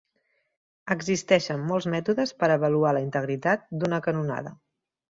Existeixen molts mètodes per avaluar la integritat d'una canonada.